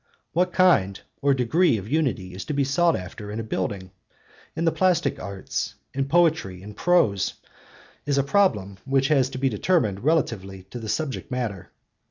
What kind or degree of unity is to be sought after in a building, in the plastic arts, in poetry, in prose, is a problem which has to be determined relatively to the subject matter.